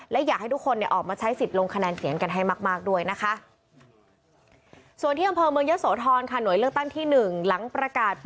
และอยากให้ทุกคนออกมาใช้สิทธิ์ลงคะแนนเสียงกันให้มากด้วยนะคะ